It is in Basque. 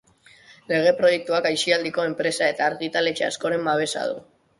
Lege proiektuak aisialdiko enpresa eta argitaletxe askoren babesa du.